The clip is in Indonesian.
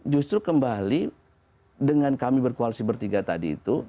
justru kembali dengan kami berkoalisi bertiga tadi itu